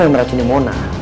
yang meracuni mona